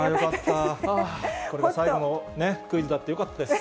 これが最後のクイズでよかったです。